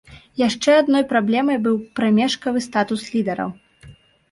Яшчэ адной праблемай быў прамежкавы статус лідараў.